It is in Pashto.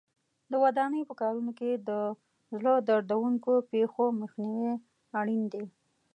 د ودانۍ په کارونو کې د زړه دردوونکو پېښو مخنیوی اړین دی.